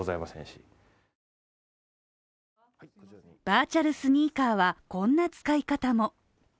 バーチャルスニーカーは、こんな使い方も。